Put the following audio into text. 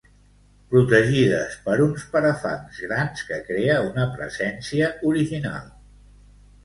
Protegides per uns parafangs grans que crea una presència original.